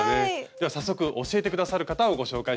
では早速教えて下さる方をご紹介しましょう。